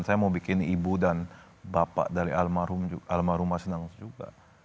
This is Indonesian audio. saya mau bikin ibu dan bapak dari almarhum masinal juga